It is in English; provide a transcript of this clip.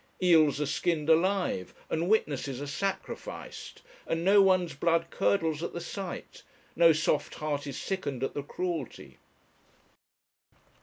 Eels are skinned alive, and witnesses are sacrificed, and no one's blood curdles at the sight, no soft heart is sickened at the cruelty.